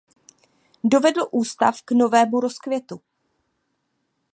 Dovedl ústav k novému rozkvětu.